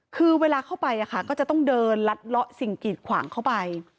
คือเวลาเข้าไปก็จะต้องเดินลัดเลาะสิ่งกีดขวางเข้าไป